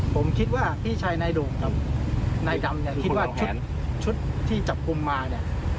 ผมคิดว่าพี่ชายนายโด่งกับนายดำเนี่ยคิดว่าชุดที่จับกลุ่มมาเนี่ย